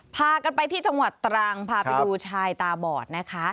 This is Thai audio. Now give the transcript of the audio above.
พากันไปที่จังหวัดตรังพาไปดูชายตาบอดนะคะ